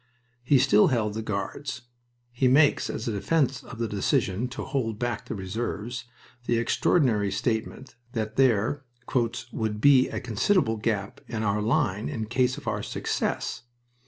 He still held the Guards. He makes, as a defense of the decision to hold back the reserves, the extraordinary statement that there "would be a considerable gap in our line in case of our success."